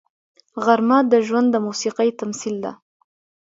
غرمه د ژوند د موسیقۍ تمثیل ده